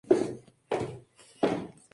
Actualmente vive en Hamburgo, Alemania.